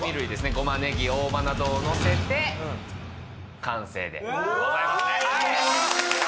ごまねぎ大葉などを載せて完成でございますねうわー